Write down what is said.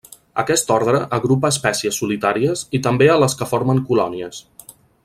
Aquest ordre agrupa a espècies solitàries i també a les que formen colònies.